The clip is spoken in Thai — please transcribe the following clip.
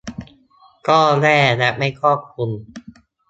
ก็แย่และไม่ครอบคลุม